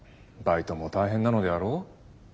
いとも大変なのであろう？